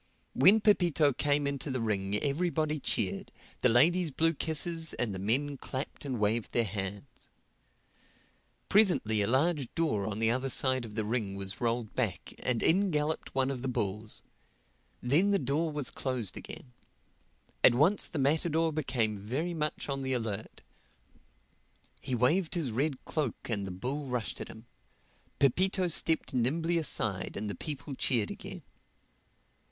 When Pepito came into the ring everybody cheered, the ladies blew kisses and the men clapped and waved their hats. Presently a large door on the other side of the ring was rolled back and in galloped one of the bulls; then the door was closed again. At once the matador became very much on the alert. He waved his red cloak and the bull rushed at him. Pepito stepped nimbly aside and the people cheered again.